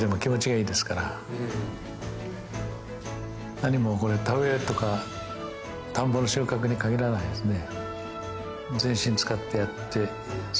何もこれ田植えとか田んぼの収穫に限らないですね。